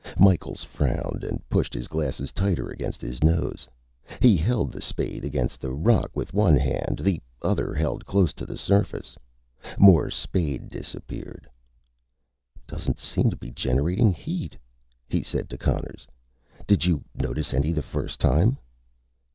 Micheals frowned, and pushed his glasses tighter against his nose. He held the spade against the rock with one hand, the other held close to the surface. More of the spade disappeared. "Doesn't seem to be generating heat," he said to Conners. "Did you notice any the first time?"